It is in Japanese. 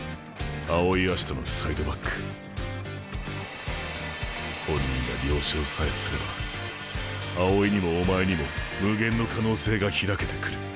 青井葦人のサイドバック本人が了承さえすれば青井にもお前にも無限の可能性が開けてくる。